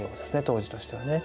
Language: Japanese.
当時としてはね。